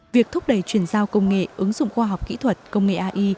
việc thúc đẩy truyền giao công nghệ ứng dụng khoa học kỹ thuật công nghệ ai